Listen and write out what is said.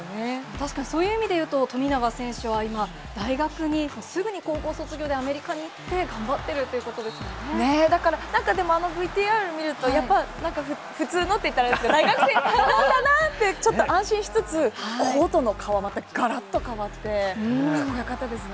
確かにそういう意味でいうと、富永選手は今、大学に、すぐに高校卒業してアメリカに行って、頑張っているということでだから、なんかでもあのＶＴＲ見ると、やっぱり普通のっていったらあれですけど、大学生なんだなって、ちょっと安心しつつ、コートの顔はまたがらっと変わって、かっこよかったですね。